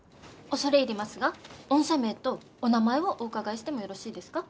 恐れ入りますが御社名とお名前をお伺いしてもよろしいですか？